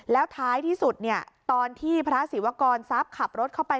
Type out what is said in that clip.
แล้วท้ายที่สุดตอนที่พระศิวกรทรัพย์ขับรถเข้าไป